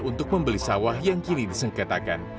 untuk membeli sawah yang kini disengketakan